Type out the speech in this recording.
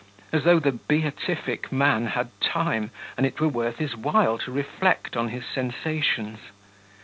as though the 'beatific' man had time, and it were worth his while to reflect on his sensations!